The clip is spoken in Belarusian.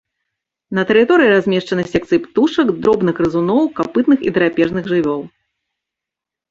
На тэрыторыі размешчаны секцыі птушак, дробных грызуноў, капытных і драпежных жывёл.